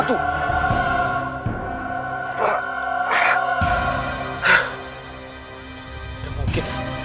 aku sudah mencari dia